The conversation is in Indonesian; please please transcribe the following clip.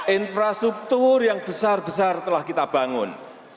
infrastruktur yang besar besar telah kita bangun